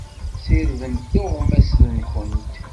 Sirdemt tuɣmas-nkent!